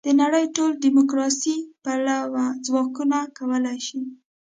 د نړۍ ټول دیموکراسي پلوه ځواکونه کولای شي.